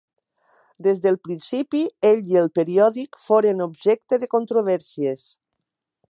Des del principi, ell i el periòdic foren objecte de controvèrsies.